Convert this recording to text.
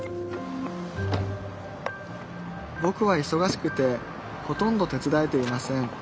ぼくはいそがしくてほとんど手伝えていません